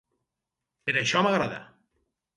Per això m'agrada...